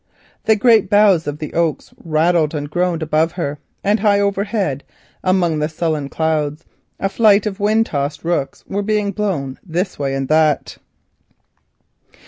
The great boughs of the oaks rattled and groaned above her, and high overhead, among the sullen clouds, a flight of rooks were being blown this way and that.